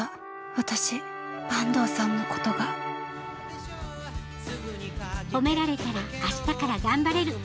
私坂東さんのことがほめられたら明日から頑張れる。